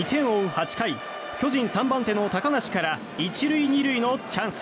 ８回巨人３番手の高梨から１塁２塁のチャンス。